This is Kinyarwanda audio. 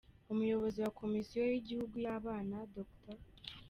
Umuyobozi wa komisiyo y’igihugu y’abana, Dr.